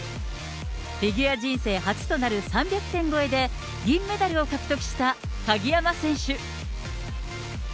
フィギュア人生初となる３００点超えで、銀メダルを獲得した鍵山選手。